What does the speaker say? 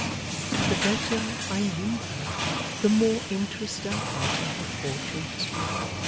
'The better I knew her, the more interest I felt in her fortunes.